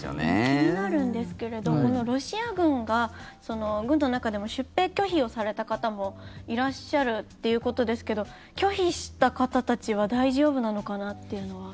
気になるんですけどこのロシア軍が軍の中でも出兵拒否をされた方もいらっしゃるということですけど拒否した方たちは大丈夫なのかなっていうのは。